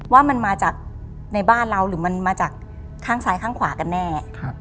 ว่ามันมาจากในบ้านเราหรือมันมาจากข้างซ้ายข้างขวากันแน่